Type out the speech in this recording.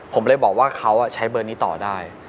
ผมเลยบอกว่าเขาใช้เบอร์นี้ต่อได้